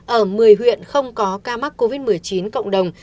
ở một mươi huyện không có ca mắc covid một mươi chín cộng đồng